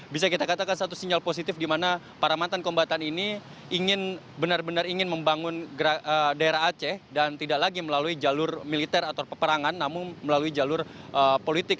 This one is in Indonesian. bisa kita katakan satu sinyal positif di mana para mantan kombatan ini benar benar ingin membangun daerah aceh dan tidak lagi melalui jalur militer atau peperangan namun melalui jalur politik